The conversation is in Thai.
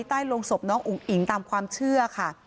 โรงศพน้องอุ๋งอิ๋งตามความเชื่อค่ะ